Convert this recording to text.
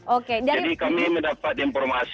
oke jadi kami mendapat informasi